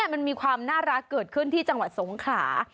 มันมีความน่ารักเกิดขึ้นที่จังหวัดสงขลา